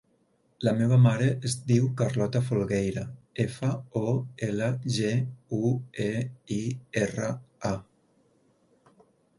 La meva mare es diu Carlota Folgueira: efa, o, ela, ge, u, e, i, erra, a.